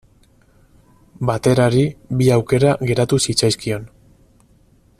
Baterari bi aukera geratu zitzaizkion.